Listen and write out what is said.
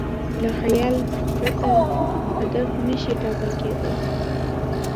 له خیال پرته هدف نهشي ټاکل کېدی.